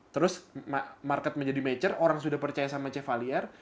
terus market menjadi mature orang sudah percaya sama chevalier